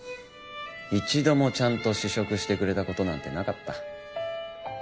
一度もちゃんと試食してくれた事なんてなかった。